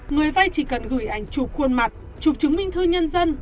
người vay chỉ cần gửi ảnh chụp khuôn mặt chụp chứng minh thư nhân dân